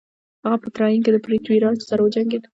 هغه په تراین کې د پرتیوي راج سره وجنګید.